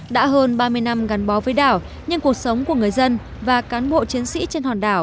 đã hơn ba mươi năm gắn bó với đảo nhưng cuộc sống của người dân và cán bộ chiến sĩ trên hòn đảo